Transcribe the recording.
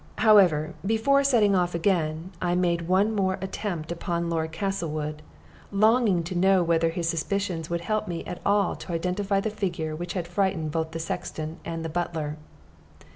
However, before setting off again, I made one more attempt upon Lord Castlewood, longing to know whether his suspicions would help me at all to identify the figure which had frightened both the sexton and the butler.